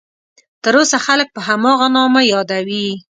تر اوسه خلک په هماغه نامه یادوي.